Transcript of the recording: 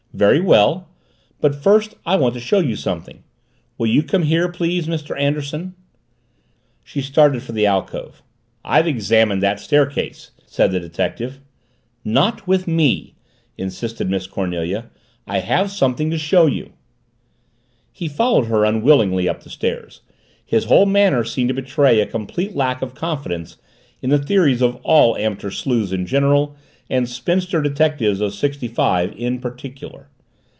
"Very well! But first I want to show you something. Will you come here, please, Mr. Anderson?" She started for the alcove. "I've examined that staircase," said the detective. "Not with me!" insisted Miss Cornelia. "I have something to show you." He followed her unwillingly up the stairs, his whole manner seeming to betray a complete lack of confidence in the theories of all amateur sleuths in general and spinster detectives of sixty five in particular.